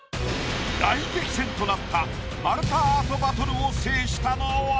大激戦となった丸太アートバトルを制したのは？